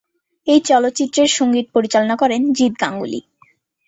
এই চলচ্চিত্রের সংগীত পরিচালনা করেন জিৎ গাঙ্গুলী।